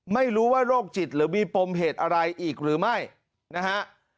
ไม่รู้ว่าโรคจิตหรือมีปมเหตุอะไรอีกหรือไม่นะฮะ